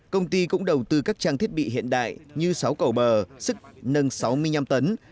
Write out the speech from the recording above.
công ty cũng đầu tư các trang thiết bị hiện đại như sáu cầu bờ sức nâng sáu mươi năm tấn